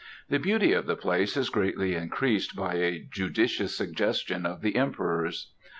The beauty of the place is greatly increased by a judicious suggestion of the Emperor's.